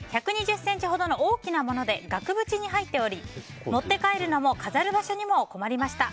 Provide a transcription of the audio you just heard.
１２０ｃｍほどの大きなもので額縁に入っており持って帰るのも飾る場所にも困りました。